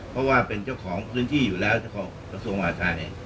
เพราะว่าเป็นเจ้าของพื้นที่อยู่แล้วของกระทรวงอาชาเนี่ย